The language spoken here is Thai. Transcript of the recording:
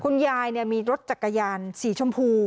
คุณยายมีรถจักรยานสีชมพู